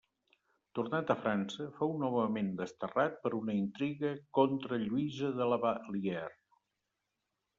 Tornat a França, fou novament desterrat per una intriga contra Lluïsa de La Vallière.